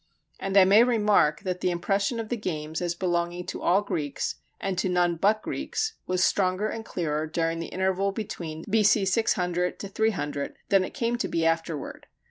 And I may remark that the impression of the games as belonging to all Greeks, and to none but Greeks, was stronger and clearer during the interval between B.C. 600 300 than it came to be afterward.